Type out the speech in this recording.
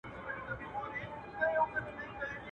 برخي وېشه، مړونه گوره.